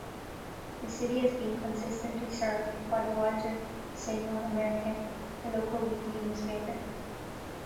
The city has been consistently served by the Weiser Signal-American, the local weekly newspaper.